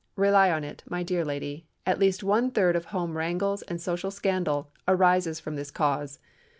Rely upon it, my dear lady, at least one third of home wrangles and social scandal arises from this cause.